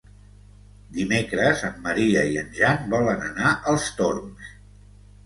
Dimecres en Maria i en Jan volen anar als Torms.